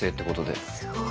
すごい。